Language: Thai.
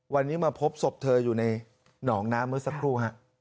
วันนี้มาพบศพเธออยู่ในหนองน้ำเมื่อสักครู่